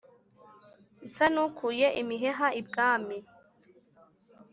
nsa n’ukuye imiheha ibwami